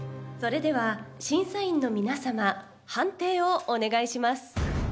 それでは審査員の皆さま判定をお願いします。